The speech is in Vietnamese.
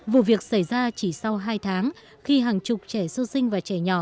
vụ việc xảy ra chỉ sau hai tháng khi hàng chục trẻ sơ sinh và trẻ nhỏ